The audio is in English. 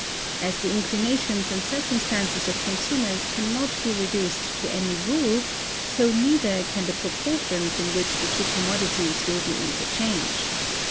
As the inclinations and circumstances of consumers can not be reduced to any rule, so neither can the proportions in which the two commodities will be interchanged.